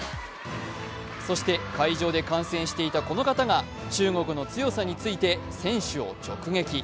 そして会場で観戦していたこの方が中国の強さについて選手を直撃。